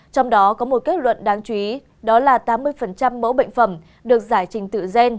trong đó có một kết luận đáng chú ý đó là tám mươi mẫu bệnh phẩm được giải trình tự gen